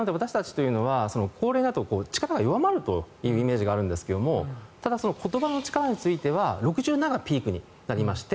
高齢になると力が弱まるというイメージがあるんですがただ、言葉の力については６７がピークになりまして